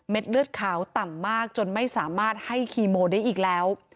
เลือดขาวต่ำมากจนไม่สามารถให้คีโมได้อีกแล้ว